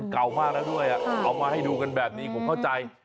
เก่ามากแล้วด้วยเอามาให้ดูกันแบบนี้ผมเข้าใจ